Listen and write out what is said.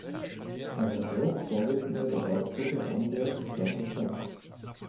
Er war dort Vorsitzender der Ortsgruppe Amberg-Stadt und -Land.